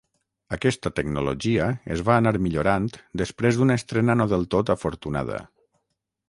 Aquesta tecnologia es va anar millorant després d'una estrena no del tot afortunada.